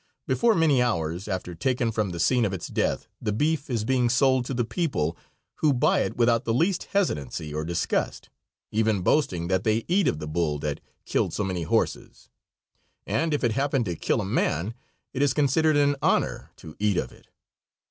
Before many hours, after taken from the scene of its death, the beef is being sold to the people, who buy it without the least hesitancy or disgust, even boasting that they eat of the bull that killed so many horses, and if it happened to kill a man it is considered an honor to eat of it.